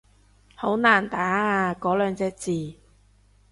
好難打啊嗰兩隻字